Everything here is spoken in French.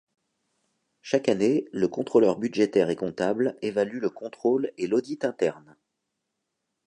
Chaque année, le Contrôleur budgétaire et comptable évalue le contrôle et l'audit internes.